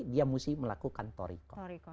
dia mesti melakukan torikoh